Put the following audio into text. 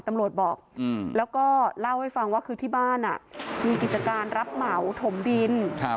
ตำรวจบอกแล้วก็เล่าให้ฟังว่าคือที่บ้านมีกิจการรับเหมาถมดิน